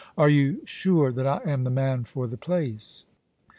Are you sure that I am the man for the place